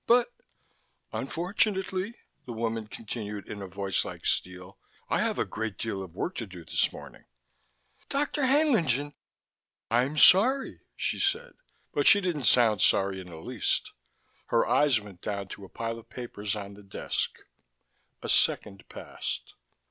"But " "Unfortunately," the woman continued in a voice like steel, "I have a great deal of work to do this morning." "Dr. Haenlingen " "I'm sorry," she said, but she didn't sound sorry in the least. Her eyes went down to a pile of papers on the desk. A second passed.